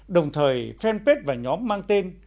đồng thời friendpet và nhóm mang tên